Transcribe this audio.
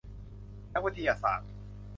นักวิทยาศาสตร์